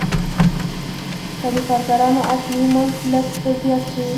که د کارګرانو اسمي مزد لږ څه زیات شي